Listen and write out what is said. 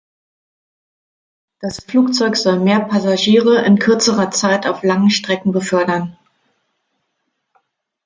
Das Flugzeug soll mehr Passagiere in kürzerer Zeit auf langen Strecken befördern.